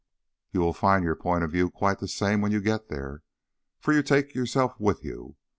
"You will find your point of view quite the same when you get there, for you take yourself with you.